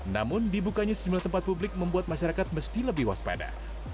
namun dibukanya sejumlah tempat publik membuat masyarakat mesti lebih waspada